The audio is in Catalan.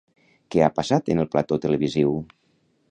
Què ha passat en el plató televisiu?